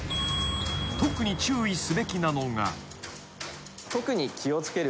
［特に注意すべきなのが］